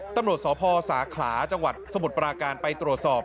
ตำรวจสพสาขลาจังหวัดสมุทรปราการไปตรวจสอบ